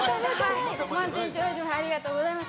ありがとうございます。